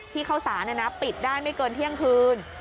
ข้าวสารปิดได้ไม่เกินเที่ยงคืน